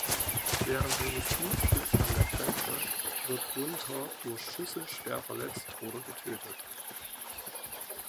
Während seines Dienstes an der Grenze wird Gunther durch Schüsse schwer verletzt oder getötet.